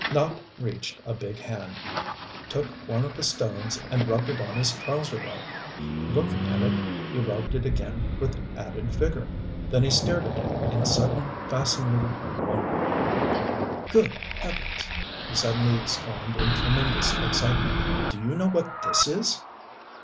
Nopp reached a big hand, took one of the stones, and rubbed it on his trouser leg. Looking at it, he rubbed it again with added vigor. Then he stared at it in sudden, fascinated wonder. "Good Heavens!" he suddenly exclaimed in tremendous excitement. "Do you know what this is?"